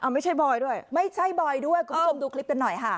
ไม่ใช่บอยด้วยไม่ใช่บอยด้วยคุณผู้ชมดูคลิปกันหน่อยค่ะ